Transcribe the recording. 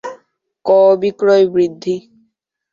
ক. বিক্রয় বৃদ্ধি